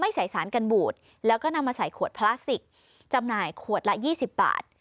ใส่สารกันบูดแล้วก็นำมาใส่ขวดพลาสติกจำหน่ายขวดละ๒๐บาท